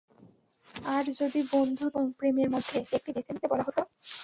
আর যদি বন্ধুত্ব এবং প্রেমের মধ্যে, একটি বেছে নিতে বলা হতো?